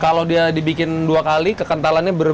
kalau dia dibikin dua kali kekentalannya berbeda